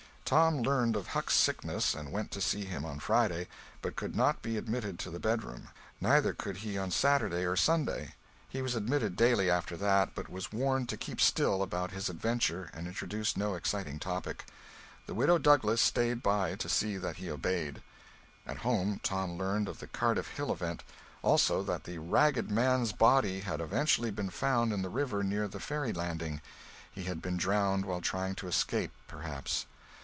Tom learned of Huck's sickness and went to see him on Friday, but could not be admitted to the bedroom; neither could he on Saturday or Sunday. He was admitted daily after that, but was warned to keep still about his adventure and introduce no exciting topic. The Widow Douglas stayed by to see that he obeyed. At home Tom learned of the Cardiff Hill event; also that the "ragged man's" body had eventually been found in the river near the ferry landing; he had been drowned while trying to escape, perhaps.